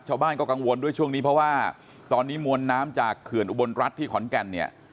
ชาวบ้านก็กังวลด้วยช่วงนี้เพราะว่าตอนนี้มวลน้ำจากเขื่อนอุบลรัฐที่ขอนแก่นเนี่ย